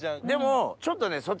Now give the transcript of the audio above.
でもちょっとね